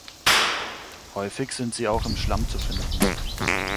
Häufig sind sie auch im Schlamm zu finden.